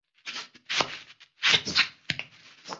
其中一位叫钟行廉曾在福建篮球队做了两年球会秘书。